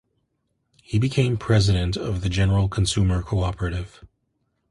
He became President of the General Consumer Cooperative.